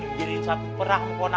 diberi satu perang keponakannya